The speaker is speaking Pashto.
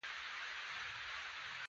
زه دوه مڼې خورم.